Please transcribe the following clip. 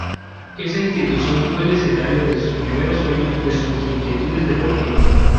Esa institución fue el escenario de sus primeros sueños, de sus inquietudes deportivas.